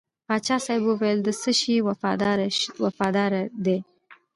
پاچا صاحب وویل د څه شي وفاداره دی.